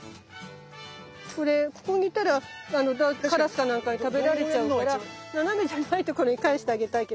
これここにいたらカラスか何かに食べられちゃうから斜めじゃないとこに返してあげたいけど。